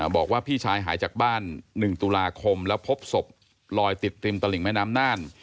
บอกว่าพี่ชายหายจากบ้าน๑ตุลาคมแล้วพบศพลอยติดริมตลิ่งแม่น้ำน่าน